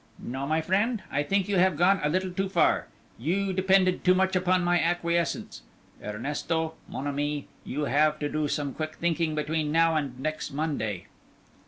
"No, my friend, I think you have gone a little too far. You depended too much upon my acquiescence. Ernesto, mon ami, you have to do some quick thinking between now and next Monday."